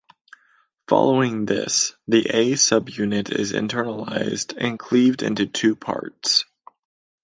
Following this, the A subunit is internalised and cleaved into two parts.